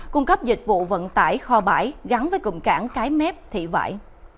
cung cấp dịch vụ vận tải kho bãi gắn với cụm cảng cái mép thị vải